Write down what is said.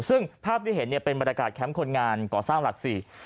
ซึ่งภาพที่เห็นเนี่ยเป็นบรรยากาศแคมป์คนงานก่อสร้างหลักสี่